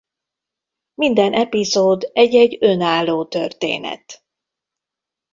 Minden epizód egy-egy önálló történet.